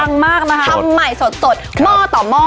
กวันม่าถ่ายมากนะฮะทำใหม่สดสดครับหม้อต่อหม้อ